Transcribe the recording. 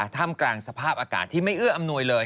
ท่ามกลางสภาพอากาศที่ไม่เอื้ออำนวยเลย